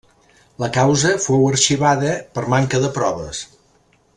La causa fou arxivada per manca de proves.